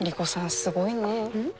すごいね。